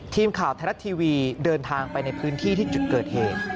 ทีมข่าวไทยรัฐทีวีเดินทางไปในพื้นที่ที่จุดเกิดเหตุ